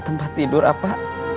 tempat tidur apa